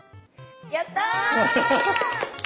やったぁ！